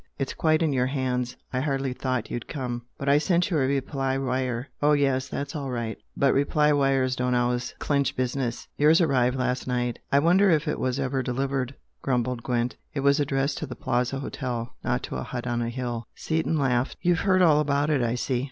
It's quite in your hands, I hardly thought you'd come " "But I sent you a reply wire?" "Oh, yes that's all right! But reply wires don't always clinch business. Yours arrived last night." "I wonder if it was ever delivered!" grumbled Gwent "It was addressed to the Plaza Hotel not to a hut on a hill!" Seaton laughed. "You've heard all about it I see!